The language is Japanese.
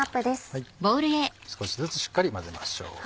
少しずつしっかり混ぜましょう。